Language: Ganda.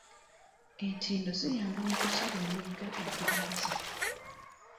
Entindo ziyamba mu kusala emigga egibooze.